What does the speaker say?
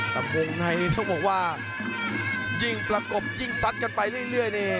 ก็ปล่อยกับทุกคนว่ายิ่งประกบยิ่งสัดกันไปเรื่อย